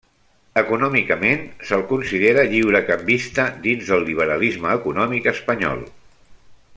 Econòmicament se'l considera lliurecanvista dins del liberalisme econòmic espanyol.